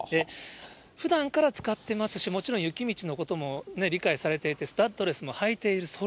ふだんから使ってますし、もちろん雪道のことも理解されていて、スタッドレスも履いている。